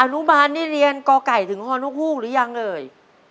อนุบาลนี่เรียนกอไก่ถึงฮฮหรือยังเลย